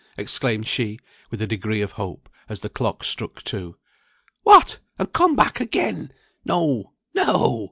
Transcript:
exclaimed she, with a degree of hope, as the clock struck two. "What! and come back again! No! no!